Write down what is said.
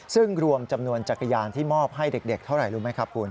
ซึ่งรวมจำนวนจักรยานที่มอบให้เด็กเท่าไหร่รู้ไหมครับคุณ